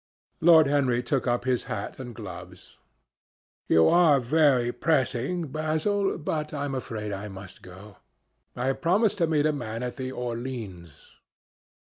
Lord Henry took up his hat and gloves. "You are very pressing, Basil, but I am afraid I must go. I have promised to meet a man at the Orleans.